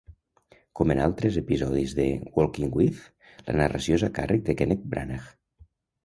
Com en altres episodis de "Walking with...", la narració és a càrrec de Kenneth Branagh.